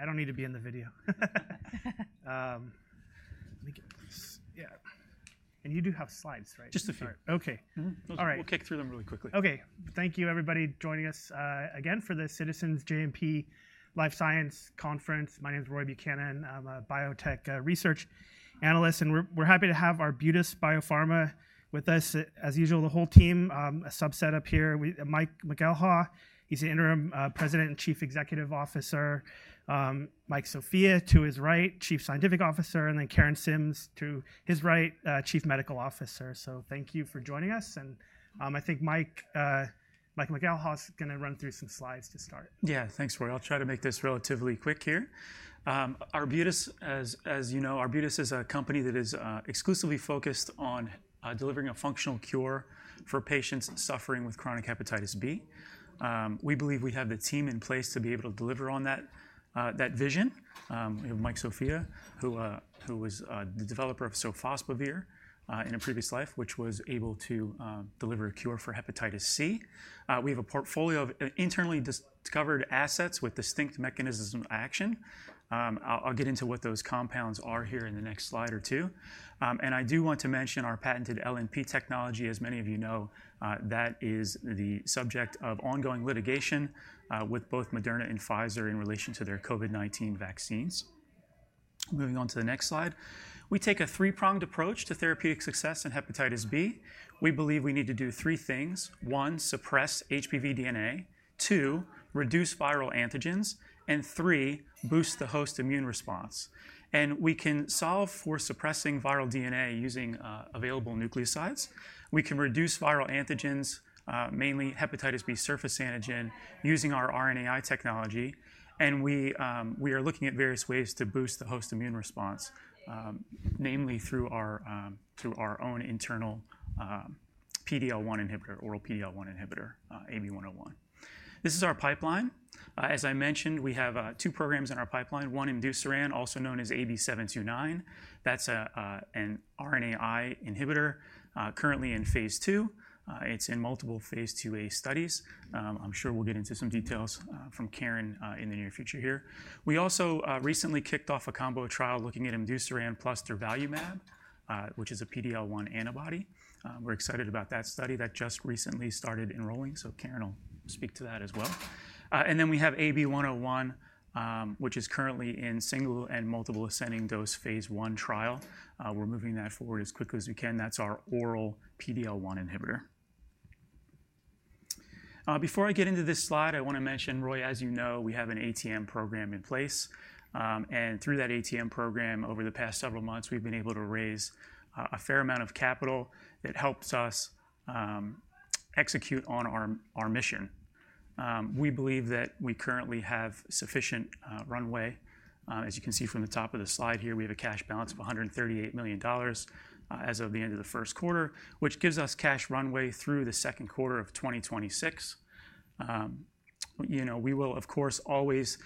I don't need to be in the video. Let me get this. Yeah. You do have slides, right? Just a few. All right. OK. All right. We'll kick through them really quickly. OK. Thank you, everybody, joining us again for the Citizens JMP Life Sciences Conference. My name is Roy Buchanan. I'm a biotech research analyst. And we're happy to have Arbutus Biopharma with us, as usual, the whole team, a subset up here. Mike McElhaugh, he's the Interim President and Chief Executive Officer. Mike Sofia, to his right, Chief Scientific Officer. And then Karen Sims, to his right, Chief Medical Officer. So thank you for joining us. And I think Mike McElhaugh is going to run through some slides to start. Yeah. Thanks, Roy. I'll try to make this relatively quick here. Arbutus, as you know, Arbutus is a company that is exclusively focused on delivering a functional cure for patients suffering with chronic hepatitis B. We believe we have the team in place to be able to deliver on that vision. We have Mike Sofia, who was the developer of sofosbuvir in a previous life, which was able to deliver a cure for hepatitis C. We have a portfolio of internally discovered assets with distinct mechanisms of action. I'll get into what those compounds are here in the next slide or two. And I do want to mention our patented LNP technology. As many of you know, that is the subject of ongoing litigation with both Moderna and Pfizer in relation to their COVID-19 vaccines. Moving on to the next slide. We take a three-pronged approach to therapeutic success in hepatitis B. We believe we need to do three things. One, suppress HBV DNA. Two, reduce viral antigens. And three, boost the host immune response. And we can solve for suppressing viral DNA using available nucleosides. We can reduce viral antigens, mainly hepatitis B surface antigen, using our RNAi technology. And we are looking at various ways to boost the host immune response, namely through our own internal PD-L1 inhibitor, oral PD-L1 inhibitor, AB101. This is our pipeline. As I mentioned, we have two programs in our pipeline, one imdusiran, also known as AB729. That's an RNAi inhibitor, currently in phase II. It's in multiple phase IIa studies. I'm sure we'll get into some details from Karen in the near future here. We also recently kicked off a combo trial looking at imdusiran plus durvalumab, which is a PD-L1 antibody. We're excited about that study that just recently started enrolling. Karen will speak to that as well. Then we have AB101, which is currently in single and multiple ascending dose phase I trial. We're moving that forward as quickly as we can. That's our oral PD-L1 inhibitor. Before I get into this slide, I want to mention, Roy, as you know, we have an ATM program in place. Through that ATM program, over the past several months, we've been able to raise a fair amount of capital that helps us execute on our mission. We believe that we currently have sufficient runway. As you can see from the top of the slide here, we have a cash balance of $138 million as of the end of the first quarter, which gives us cash runway through the second quarter of 2026. We will, of course, always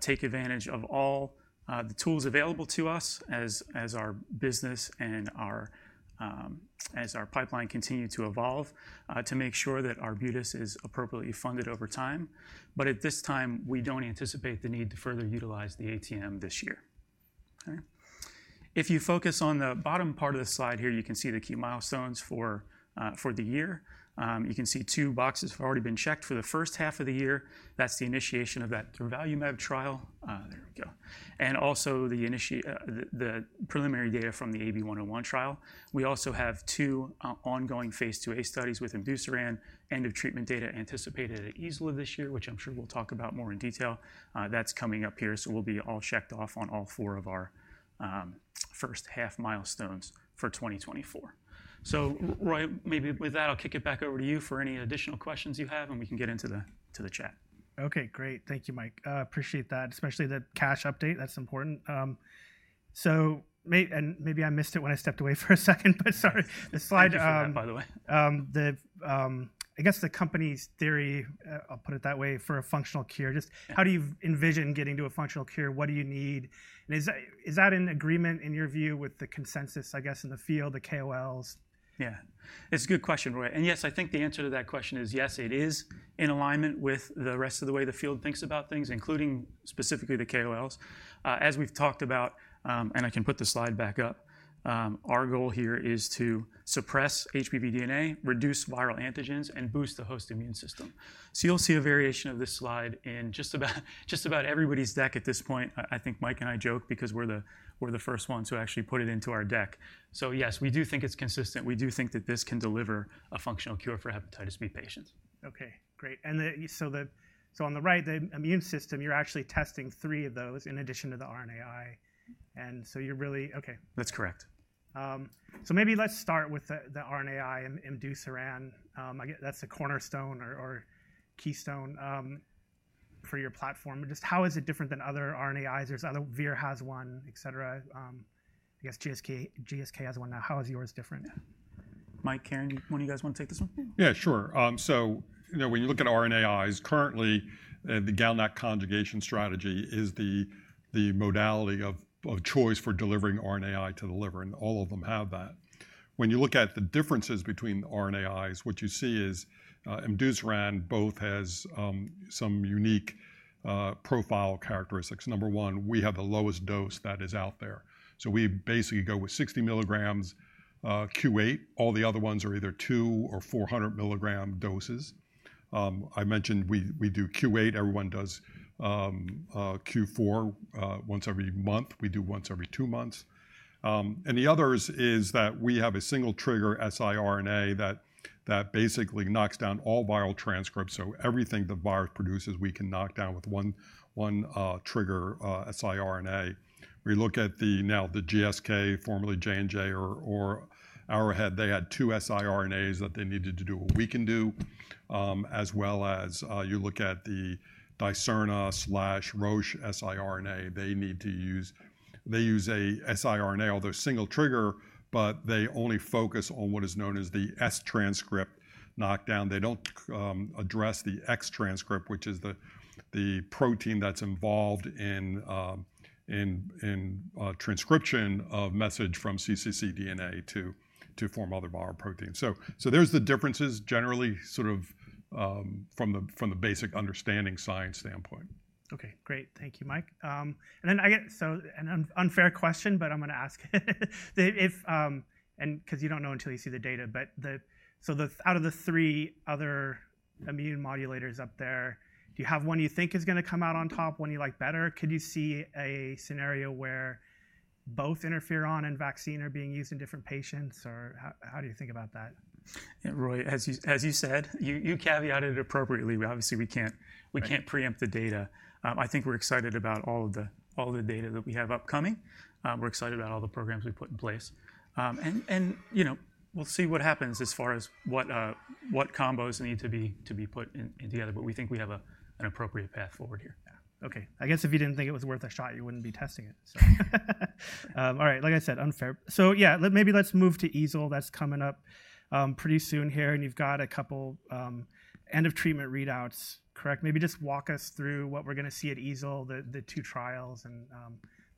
take advantage of all the tools available to us as our business and as our pipeline continues to evolve to make sure that Arbutus is appropriately funded over time. But at this time, we don't anticipate the need to further utilize the ATM this year. If you focus on the bottom part of the slide here, you can see the key milestones for the year. You can see two boxes have already been checked for the first half of the year. That's the initiation of that durvalumab trial. There we go. And also the preliminary data from the AB101 trial. We also have two ongoing phase IIa studies with imdusiran, end of treatment data anticipated at EASL this year, which I'm sure we'll talk about more in detail. That's coming up here. So we'll be all checked off on all four of our first half milestones for 2024. So, Roy, maybe with that, I'll kick it back over to you for any additional questions you have. And we can get into the chat. OK. Great. Thank you, Mike. Appreciate that, especially the cash update. That's important. And maybe I missed it when I stepped away for a second. But sorry. The slide. You just stepped up, by the way. I guess the company's theory, I'll put it that way, for a functional cure, just how do you envision getting to a functional cure? What do you need? Is that in agreement, in your view, with the consensus, I guess, in the field, the KOLs? Yeah. It's a good question, Roy. And yes, I think the answer to that question is yes, it is in alignment with the rest of the way the field thinks about things, including specifically the KOLs. As we've talked about, and I can put the slide back up, our goal here is to suppress HBV DNA, reduce viral antigens, and boost the host immune system. So you'll see a variation of this slide in just about everybody's deck at this point. I think Mike and I joke because we're the first ones who actually put it into our deck. So yes, we do think it's consistent. We do think that this can deliver a functional cure for hepatitis B patients. OK. Great. And so on the right, the immune system, you're actually testing three of those in addition to the RNAi. And so you're really OK. That's correct. So maybe let's start with the RNAi and imdusiran. That's a cornerstone or keystone for your platform. Just how is it different than other RNAis? There's other Vir has one, et cetera. I guess GSK has one now. How is yours different? Mike, Karen, one of you guys want to take this one? Yeah. Sure. So when you look at RNAis, currently, the GalNAc conjugation strategy is the modality of choice for delivering RNAi to the liver. And all of them have that. When you look at the differences between RNAis, what you see is imdusiran both has some unique profile characteristics. Number one, we have the lowest dose that is out there. So we basically go with 60 milligrams q8. All the other ones are either 2 or 400 milligram doses. I mentioned we do q8. Everyone does q4 once every month. We do once every two months. And the others is that we have a single trigger siRNA that basically knocks down all viral transcripts. So everything the virus produces, we can knock down with one trigger siRNA. We look at now the GSK, formerly J&J, or Arrowhead, they had two siRNAs that they needed to do what we can do, as well as you look at the Dicerna/Roche siRNA. They use a siRNA, although single trigger, but they only focus on what is known as the S transcript knockdown. They don't address the X transcript, which is the protein that's involved in transcription of message from cccDNA to form other viral proteins. So there's the differences, generally, sort of from the basic understanding science standpoint. OK. Great. Thank you, Mike. Then I've got an unfair question, but I'm going to ask it. Because you don't know until you see the data. But so out of the three other immune modulators up there, do you have one you think is going to come out on top, one you like better? Could you see a scenario where both interferon and vaccine are being used in different patients? Or how do you think about that? Roy, as you said, you caveated appropriately. Obviously, we can't preempt the data. I think we're excited about all of the data that we have upcoming. We're excited about all the programs we put in place. And we'll see what happens as far as what combos need to be put together. But we think we have an appropriate path forward here. Yeah. OK. I guess if you didn't think it was worth a shot, you wouldn't be testing it. All right. Like I said, unfair. So yeah, maybe let's move to EASL. That's coming up pretty soon here. And you've got a couple end of treatment readouts, correct? Maybe just walk us through what we're going to see at EASL, the two trials, and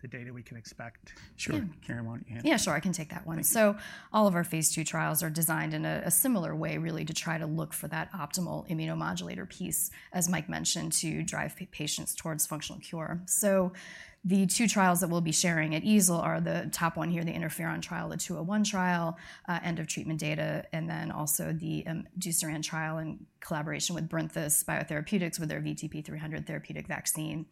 the data we can expect. Sure. Karen, why don't you hand it over? Yeah. Sure. I can take that one. So all of our phase II trials are designed in a similar way, really, to try to look for that optimal immunomodulator piece, as Mike mentioned, to drive patients towards functional cure. So the 2 trials that we'll be sharing at EASL are the top one here, the interferon trial, the 201 trial, end of treatment data, and then also the imdusiran trial in collaboration with Barinthus Biotherapeutics with their VTP-300 therapeutic vaccine.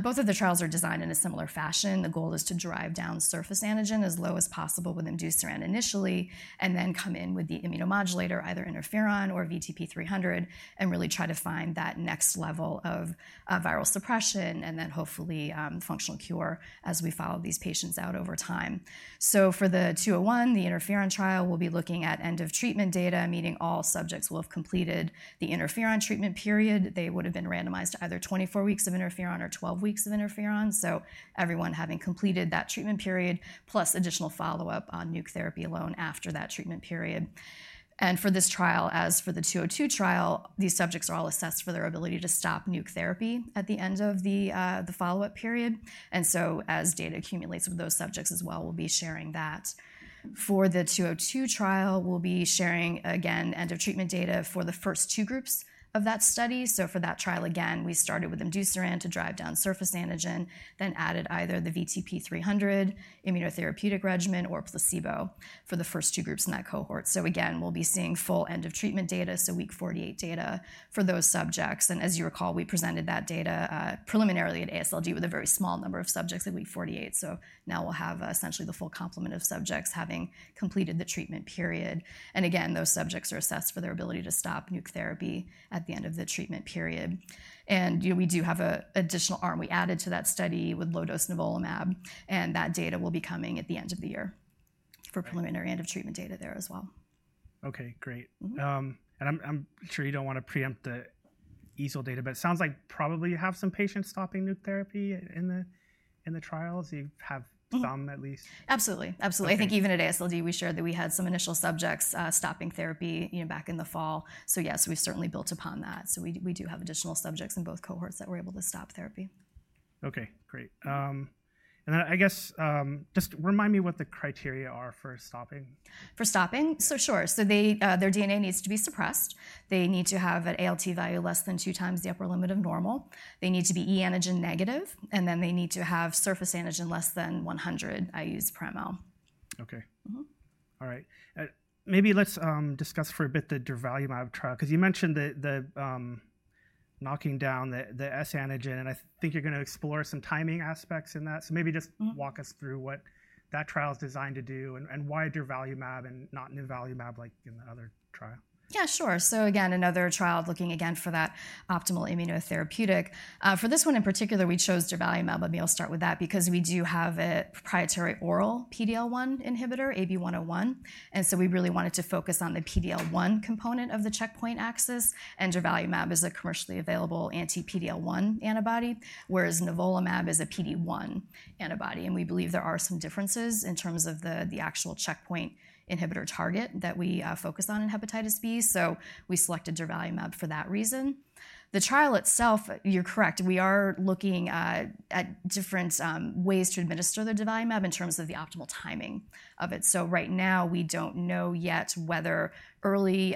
Both of the trials are designed in a similar fashion. The goal is to drive down surface antigen as low as possible with imdusiran initially and then come in with the immunomodulator, either interferon or VTP-300, and really try to find that next level of viral suppression and then hopefully functional cure as we follow these patients out over time. So for the 201, the interferon trial, we'll be looking at end of treatment data, meaning all subjects will have completed the interferon treatment period. They would have been randomized to either 24 weeks of interferon or 12 weeks of interferon. So everyone having completed that treatment period plus additional follow-up on Nuc therapy alone after that treatment period. And for this trial, as for the 202 trial, these subjects are all assessed for their ability to stop Nuc therapy at the end of the follow-up period. And so as data accumulates with those subjects as well, we'll be sharing that. For the 202 trial, we'll be sharing, again, end of treatment data for the first two groups of that study. So for that trial, again, we started with imdusiran to drive down surface antigen, then added either the VTP-300 immunotherapeutic regimen or placebo for the first 2 groups in that cohort. So again, we'll be seeing full end of treatment data, so week 48 data for those subjects. And as you recall, we presented that data preliminarily at AASLD with a very small number of subjects at week 48. So now we'll have essentially the full complement of subjects having completed the treatment period. And again, those subjects are assessed for their ability to stop Nuc therapy at the end of the treatment period. And we do have an additional arm we added to that study with low-dose nivolumab. And that data will be coming at the end of the year for preliminary end of treatment data there as well. OK. Great. And I'm sure you don't want to preempt the EASL data. But it sounds like probably you have some patients stopping Nuc therapy in the trials. You have some, at least? Absolutely. Absolutely. I think even at AASLD, we shared that we had some initial subjects stopping therapy back in the fall. So yes, we've certainly built upon that. So we do have additional subjects in both cohorts that were able to stop therapy. OK. Great. And then I guess just remind me what the criteria are for stopping? For stopping? So sure. So their DNA needs to be suppressed. They need to have an ALT value less than two times the upper limit of normal. They need to be e-antigen negative. And then they need to have surface antigen less than 100 IU/mL. OK. All right. Maybe let's discuss for a bit the durvalumab trial. Because you mentioned the knocking down, the S antigen. And I think you're going to explore some timing aspects in that. So maybe just walk us through what that trial is designed to do and why durvalumab and not nivolumab like in the other trial? Yeah. Sure. So again, another trial looking, again, for that optimal immunotherapeutic. For this one in particular, we chose durvalumab. But maybe I'll start with that because we do have a proprietary oral PD-L1 inhibitor, AB101. And so we really wanted to focus on the PD-L1 component of the checkpoint axis. And durvalumab is a commercially available anti-PD-L1 antibody, whereas nivolumab is a PD-1 antibody. And we believe there are some differences in terms of the actual checkpoint inhibitor target that we focus on in hepatitis B. So we selected durvalumab for that reason. The trial itself, you're correct. We are looking at different ways to administer the durvalumab in terms of the optimal timing of it. So right now, we don't know yet whether early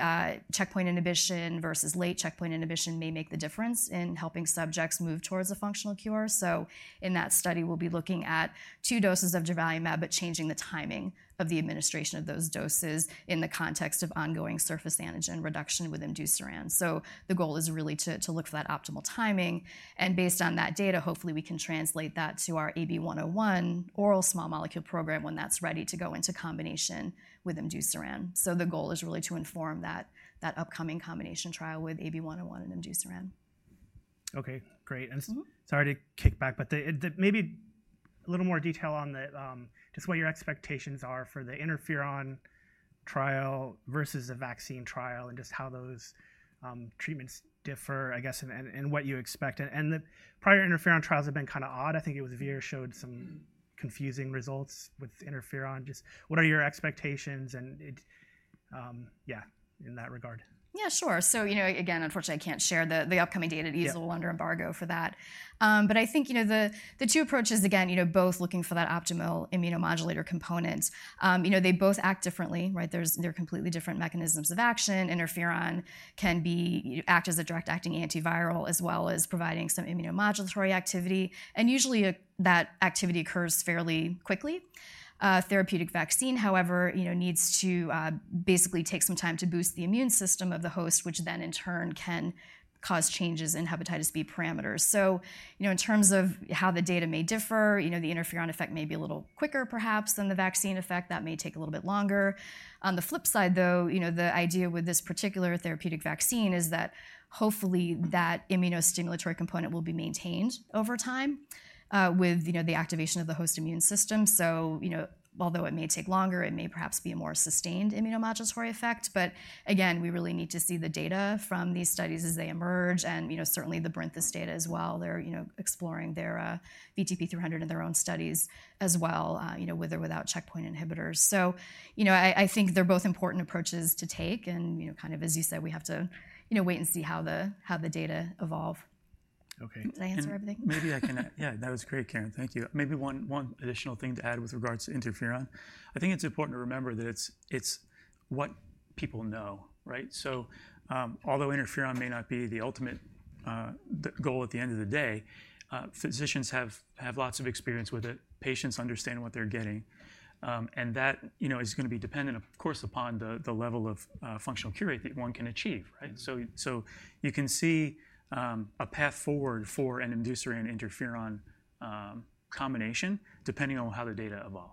checkpoint inhibition versus late checkpoint inhibition may make the difference in helping subjects move towards a functional cure. So in that study, we'll be looking at two doses of durvalumab but changing the timing of the administration of those doses in the context of ongoing surface antigen reduction with imdusiran. So the goal is really to look for that optimal timing. And based on that data, hopefully, we can translate that to our AB101 oral small molecule program when that's ready to go into combination with imdusiran. So the goal is really to inform that upcoming combination trial with AB101 and imdusiran. OK. Great. And sorry to kick back. But maybe a little more detail on just what your expectations are for the interferon trial versus a vaccine trial and just how those treatments differ, I guess, and what you expect. And the prior interferon trials have been kind of odd. I think it was Vir showed some confusing results with interferon. Just what are your expectations? And yeah, in that regard. Yeah. Sure. So again, unfortunately, I can't share the upcoming data. EASL is under embargo for that. But I think the two approaches, again, both looking for that optimal immunomodulator component, they both act differently. There are completely different mechanisms of action. Interferon can act as a direct-acting antiviral as well as providing some immunomodulatory activity. And usually, that activity occurs fairly quickly. A therapeutic vaccine, however, needs to basically take some time to boost the immune system of the host, which then in turn can cause changes in hepatitis B parameters. So in terms of how the data may differ, the interferon effect may be a little quicker, perhaps, than the vaccine effect. That may take a little bit longer. On the flip side, though, the idea with this particular therapeutic vaccine is that hopefully, that immunostimulatory component will be maintained over time with the activation of the host immune system. So although it may take longer, it may perhaps be a more sustained immunomodulatory effect. But again, we really need to see the data from these studies as they emerge. And certainly, the Barinthus data as well. They're exploring their VTP-300 in their own studies as well, with or without checkpoint inhibitors. So I think they're both important approaches to take. And kind of as you said, we have to wait and see how the data evolve. Did I answer everything? Maybe I can yeah, that was great, Karen. Thank you. Maybe one additional thing to add with regards to interferon. I think it's important to remember that it's what people know. So although interferon may not be the ultimate goal at the end of the day, physicians have lots of experience with it. Patients understand what they're getting. And that is going to be dependent, of course, upon the level of functional cure rate that one can achieve. So you can see a path forward for an imdusiran/interferon combination depending on how the data evolve.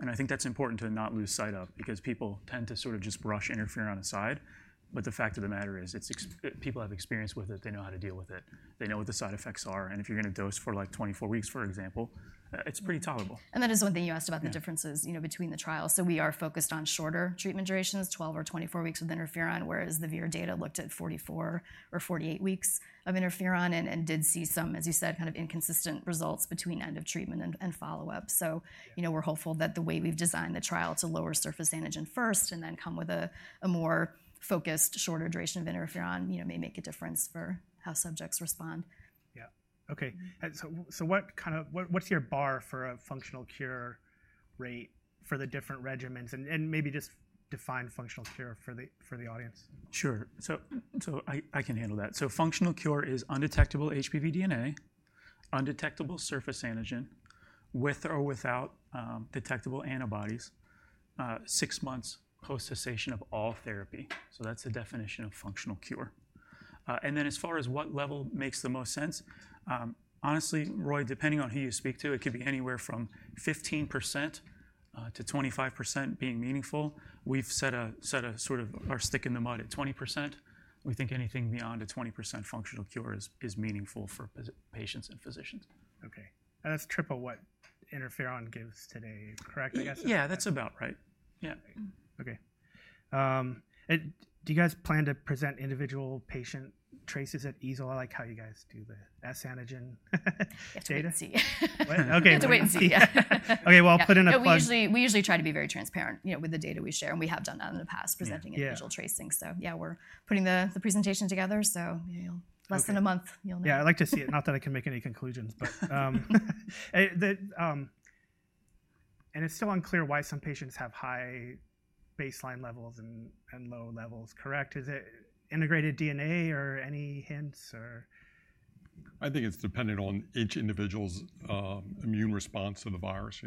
And I think that's important to not lose sight of because people tend to sort of just brush interferon aside. But the fact of the matter is, people have experience with it. They know how to deal with it. They know what the side effects are. If you're going to dose for like 24 weeks, for example, it's pretty tolerable. That is one thing you asked about, the differences between the trials. We are focused on shorter treatment durations, 12 or 24 weeks with interferon, whereas the Vir data looked at 44 or 48 weeks of interferon and did see some, as you said, kind of inconsistent results between end of treatment and follow-up. We're hopeful that the way we've designed the trial to lower surface antigen first and then come with a more focused, shorter duration of interferon may make a difference for how subjects respond. Yeah. OK. So what's your bar for a functional cure rate for the different regimens? Maybe just define functional cure for the audience. Sure. So I can handle that. So functional cure is undetectable HBV DNA, undetectable surface antigen, with or without detectable antibodies, six months post-cessation of all therapy. So that's the definition of functional cure. And then as far as what level makes the most sense, honestly, Roy, depending on who you speak to, it could be anywhere from 15%-25% being meaningful. We've set sort of our stake in the ground at 20%. We think anything beyond a 20% functional cure is meaningful for patients and physicians. OK. And that's triple what interferon gives today, correct, I guess? Yeah. That's about right. Yeah. OK. Do you guys plan to present individual patient traces at EASL? I like how you guys do the S antigen. Yes. Wait and see. What? OK. We have to wait and see. Yeah. OK. Well, I'll put in a plug. We usually try to be very transparent with the data we share. We have done that in the past, presenting individual tracing. Yeah, we're putting the presentation together. Less than a month, you'll know. Yeah. I'd like to see it. Not that I can make any conclusions. It's still unclear why some patients have high baseline levels and low levels, correct? Is it integrated DNA or any hints? I think it's dependent on each individual's immune response to the virus,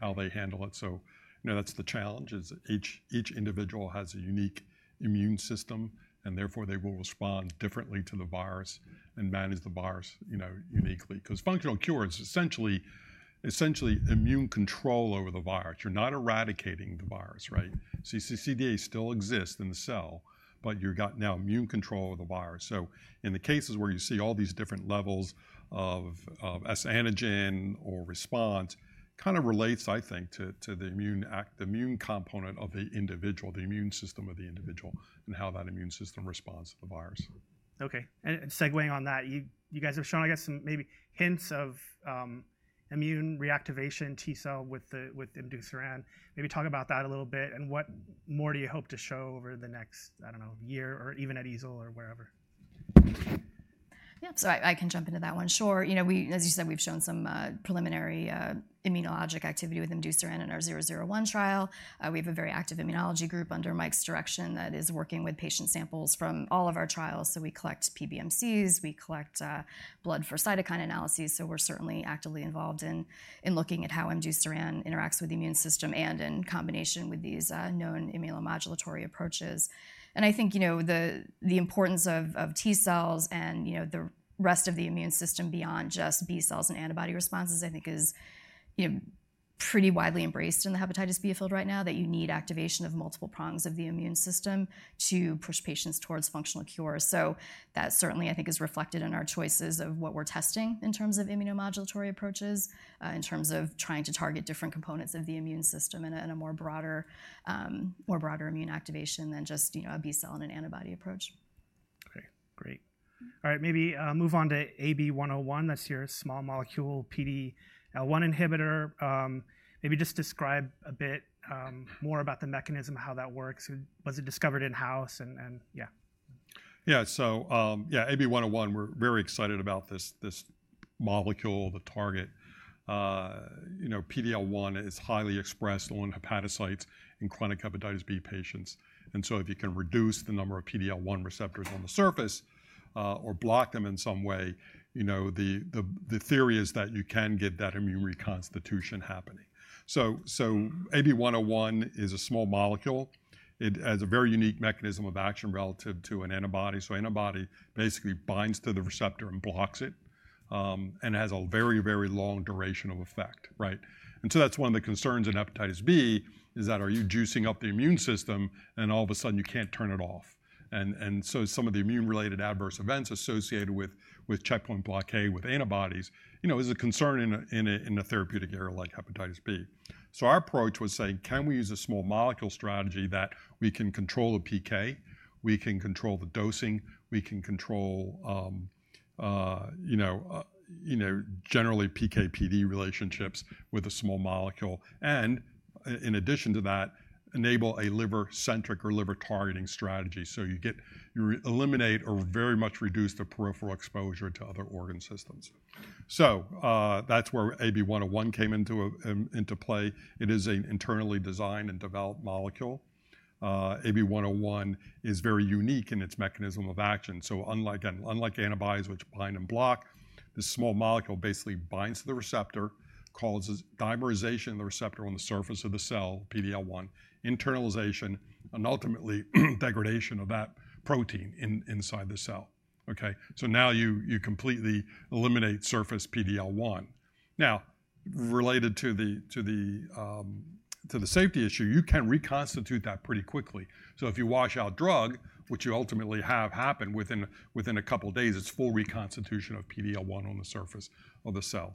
how they handle it. So that's the challenge, is each individual has a unique immune system. And therefore, they will respond differently to the virus and manage the virus uniquely. Because functional cure is essentially immune control over the virus. You're not eradicating the virus. cccDNA still exists in the cell. But you've got now immune control over the virus. So in the cases where you see all these different levels of S antigen or response, it kind of relates, I think, to the immune component of the individual, the immune system of the individual, and how that immune system responds to the virus. OK. And segueing on that, you guys have shown, I guess, maybe hints of immune reactivation, T cell, with imdusiran. Maybe talk about that a little bit. And what more do you hope to show over the next, I don't know, year or even at EASL or wherever? Yeah. So I can jump into that one. Sure. As you said, we've shown some preliminary immunologic activity with imdusiran in our 001 trial. We have a very active immunology group under Mike's direction that is working with patient samples from all of our trials. So we collect PBMCs. We collect blood for cytokine analysis. So we're certainly actively involved in looking at how imdusiran interacts with the immune system and in combination with these known immunomodulatory approaches. And I think the importance of T cells and the rest of the immune system beyond just B cells and antibody responses, I think, is pretty widely embraced in the hepatitis B field right now, that you need activation of multiple prongs of the immune system to push patients towards functional cure. That certainly, I think, is reflected in our choices of what we're testing in terms of immunomodulatory approaches, in terms of trying to target different components of the immune system in a more broader immune activation than just a B cell and an antibody approach. OK. Great. All right. Maybe move on to AB101. That's your small molecule PD-L1 inhibitor. Maybe just describe a bit more about the mechanism, how that works. Was it discovered in-house? And yeah. Yeah. So yeah, AB101, we're very excited about this molecule, the target. PD-L1 is highly expressed on hepatocytes in chronic hepatitis B patients. And so if you can reduce the number of PD-L1 receptors on the surface or block them in some way, the theory is that you can get that immune reconstitution happening. So AB101 is a small molecule. It has a very unique mechanism of action relative to an antibody. So antibody basically binds to the receptor and blocks it. And it has a very, very long duration of effect. And so that's one of the concerns in hepatitis B, is that are you juicing up the immune system and all of a sudden, you can't turn it off? And so some of the immune-related adverse events associated with checkpoint blockade with antibodies is a concern in a therapeutic area like hepatitis B. So our approach was saying, can we use a small molecule strategy that we can control the PK? We can control the dosing. We can control generally PK/PD relationships with a small molecule. And in addition to that, enable a liver-centric or liver-targeting strategy. So you eliminate or very much reduce the peripheral exposure to other organ systems. So that's where AB101 came into play. It is an internally designed and developed molecule. AB101 is very unique in its mechanism of action. So unlike antibodies, which bind and block, this small molecule basically binds to the receptor, causes dimerization of the receptor on the surface of the cell, PD-L1, internalization, and ultimately, degradation of that protein inside the cell. So now you completely eliminate surface PD-L1. Now, related to the safety issue, you can reconstitute that pretty quickly. So if you wash out drug, which ultimately happens within a couple of days, it's full reconstitution of PD-L1 on the surface of the cell.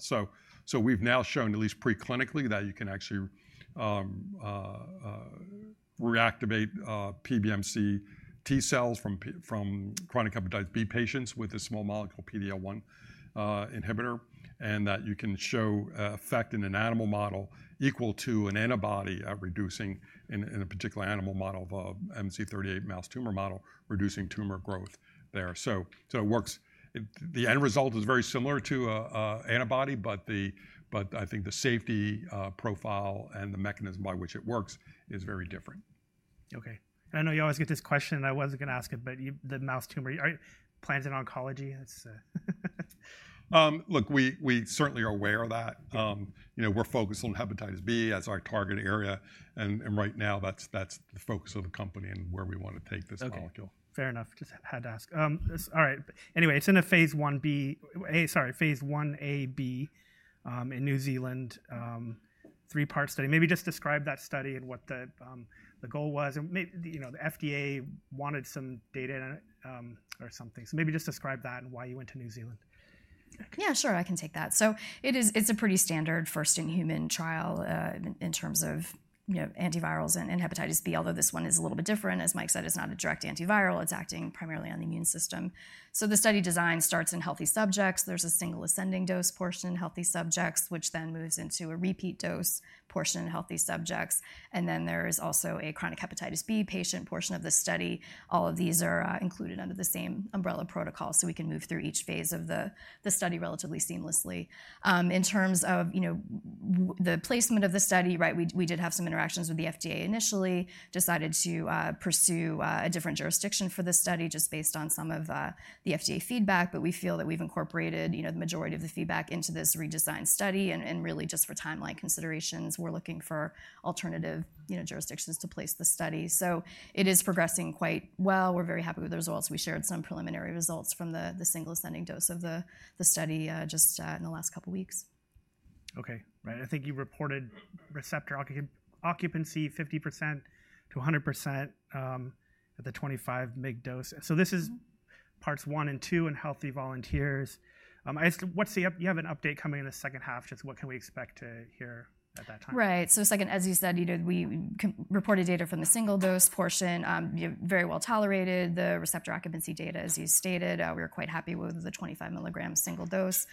So we've now shown, at least preclinically, that you can actually reactivate PBMC T cells from chronic hepatitis B patients with this small molecule PD-L1 inhibitor and that you can show effect in an animal model equal to an antibody reducing in a particular animal model, the MC38 mouse tumor model, reducing tumor growth there. So it works. The end result is very similar to an antibody. But I think the safety profile and the mechanism by which it works is very different. OK. And I know you always get this question. And I wasn't going to ask it. But the mouse tumor, are you planning oncology? Look, we certainly are aware of that. We're focused on hepatitis B as our target area. And right now, that's the focus of the company and where we want to take this molecule. OK. Fair enough. Just had to ask. All right. Anyway, it's in a phase Ia sorry, phase Ia/Ib in New Zealand, three-part study. Maybe just describe that study and what the goal was. And the FDA wanted some data or something. So maybe just describe that and why you went to New Zealand. Yeah. Sure. I can take that. So it's a pretty standard first-in-human trial in terms of antivirals and hepatitis B, although this one is a little bit different. As Mike said, it's not a direct antiviral. It's acting primarily on the immune system. So the study design starts in healthy subjects. There's a single ascending dose portion in healthy subjects, which then moves into a repeat dose portion in healthy subjects. And then there is also a chronic hepatitis B patient portion of the study. All of these are included under the same umbrella protocol. So we can move through each phase of the study relatively seamlessly. In terms of the placement of the study, we did have some interactions with the FDA initially. Decided to pursue a different jurisdiction for this study just based on some of the FDA feedback. But we feel that we've incorporated the majority of the feedback into this redesigned study. Really, just for timeline considerations, we're looking for alternative jurisdictions to place the study. It is progressing quite well. We're very happy with the results. We shared some preliminary results from the single ascending dose of the study just in the last couple of weeks. OK. Right. I think you reported receptor occupancy 50%-100% at the 25-mg dose. So this is parts 1 and 2 in healthy volunteers. You have an update coming in the second half. Just what can we expect to hear at that time? Right. So second, as you said, we reported data from the single dose portion, very well tolerated, the receptor occupancy data, as you stated. We were quite happy with the 25 milligram single dose.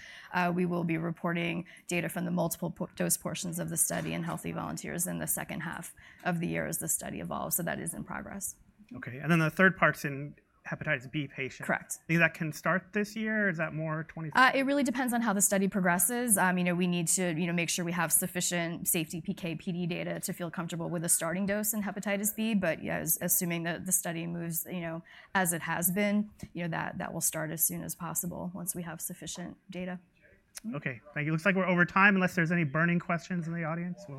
We will be reporting data from the multiple dose portions of the study in healthy volunteers in the second half of the year as the study evolves. So that is in progress. OK. And then the third part's in hepatitis B patients. Correct. I think that can start this year. Is that more 20? It really depends on how the study progresses. We need to make sure we have sufficient safety PK/PD data to feel comfortable with a starting dose in hepatitis B. But assuming that the study moves as it has been, that will start as soon as possible once we have sufficient data. OK. Thank you. Looks like we're over time, unless there's any burning questions in the audience.